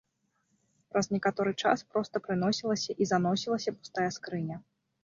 Праз некаторы час проста прыносілася і заносілася пустая скрыня.